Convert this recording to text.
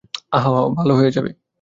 ভালো হয়ে যাবে।